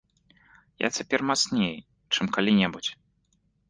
Я цяпер мацней, чым калі-небудзь.